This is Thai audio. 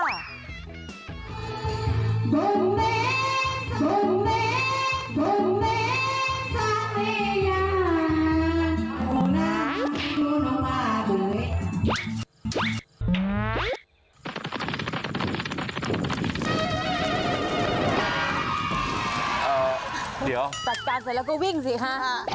เดี๋ยวจัดการเสร็จแล้วก็วิ่งสิค่ะ